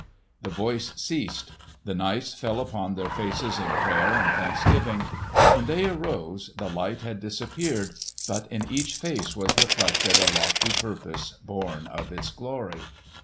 The voice ceased. The knights fell upon their faces in prayer and thanksgiving. When they arose the light had disappeared, but in each face was reflected a lofty purpose born of its glory.